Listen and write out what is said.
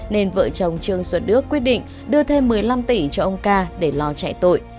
nên vợ chồng trương xuân đức quyết định đưa thêm một mươi năm tỷ cho ông ca để lò chạy tội